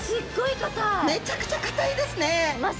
めちゃくちゃ硬いですね。